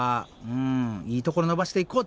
いいところ伸ばしていこうってことやね。